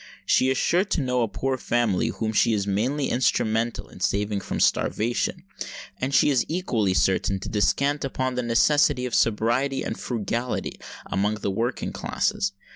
She is sure to know a poor family whom she is mainly instrumental in saving from starvation; and she is equally certain to descant upon the necessity of sobriety and frugality amongst the working classes.